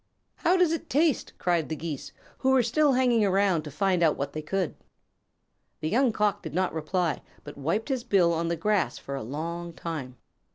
"How does it taste?" cried the Geese, who were still hanging around to find out what they could. The Young Cock did not reply, but wiped his bill on the grass for a long time.